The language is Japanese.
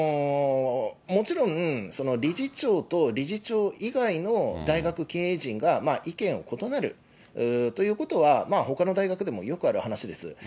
もちろん、理事長と理事長以外の大学経営陣が意見が異なるということは、ほかの大学でもよくある話です。